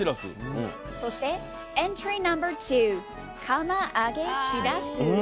そしてエントリーナンバー２釜揚げしらす。